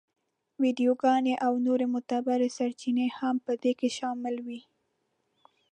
ویډیوګانې او نورې معتبرې سرچینې هم په کې شاملې وې.